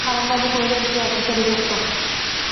হারানবাবু কহিলেন, সে এক হিসাবে সত্য।